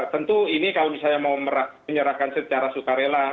tentu ini kalau saya mau menyerahkan secara sukarela